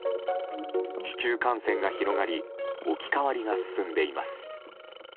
市中感染が広がり置き換わりが進んでいます。